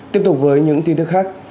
tiếp tục với những tin thức khác